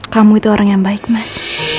kamu itu orang yang baik mas